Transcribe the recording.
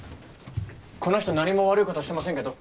この人何も悪いことしてませんけど。